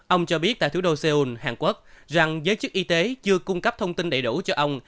ông cho biết tại thủ đô seoul hàn quốc rằng giới chức y tế chưa cung cấp thông tin đầy đủ cho ông